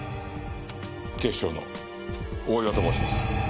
警視庁の大岩と申します。